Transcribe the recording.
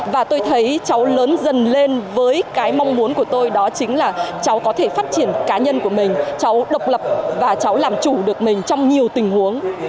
và tôi thấy cháu lớn dần lên với cái mong muốn của tôi đó chính là cháu có thể phát triển cá nhân của mình cháu độc lập và cháu làm chủ được mình trong nhiều tình huống